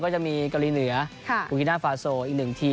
ก็จะเมื่อวันนี้ตอนหลังจดเกม